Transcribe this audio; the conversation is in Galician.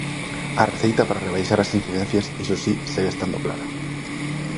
A receita para rebaixar as incidencias, iso si, segue estando clara.